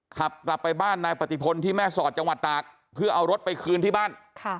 ขับกลับไปบ้านนายปฏิพลที่แม่สอดจังหวัดตากเพื่อเอารถไปคืนที่บ้าน